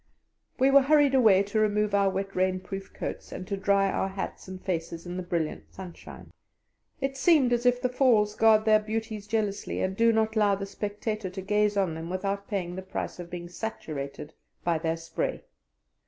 We were hurried away to remove our wet rainproof coats and to dry our hats and faces in the brilliant sunshine. It seemed as if the Falls guard their beauties jealously, and do not allow the spectator to gaze on them without paying the price of being saturated by their spray.